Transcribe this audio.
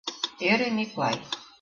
- ӧрӧ Миклай.